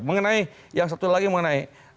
mengenai yang satu lagi mengenai